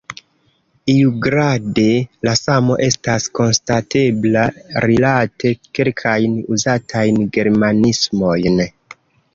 Iugrade la samo estas konstatebla rilate kelkajn uzatajn germanismojn.